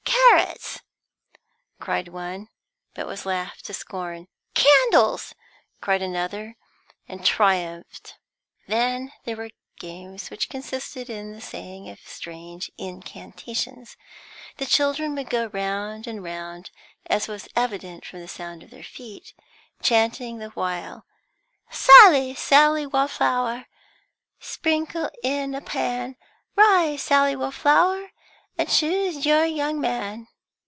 "Carrots!" cried one, but was laughed to scorn. "Candles!" cried another, and triumphed. Then there were games which consisted in the saying of strange incantations. The children would go round and round, as was evident from the sound of their feet, chanting the while: "Sally, Sally Wallflower, Sprinkle in a pan; Rise, Sally Wallflower, And choose your young man.